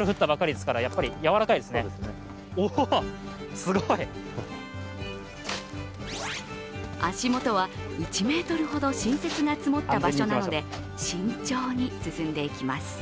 そして足元は１ｍほど新雪が積もった場所なので慎重に進んでいきます。